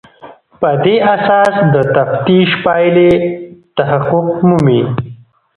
په دې اساس د تفتیش پایلې تحقق مومي.